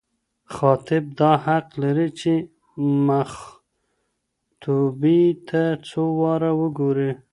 خاطب دا حق لري، چي مخطوبې ته څو واره وګوري